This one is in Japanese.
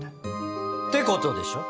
てことでしょ？